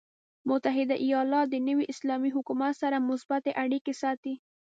متحده ایالات د نوي اسلامي حکومت سره مثبتې اړیکې ساتي.